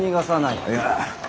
いや。